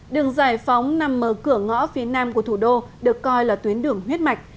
đường giải phóng nằm ở cửa ngõ phía nam của thủ đô được coi là tuyến đường huyết mạch